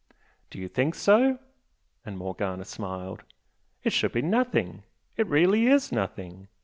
"Do you think so?" and Morgana smiled "It should be nothing it really is nothing!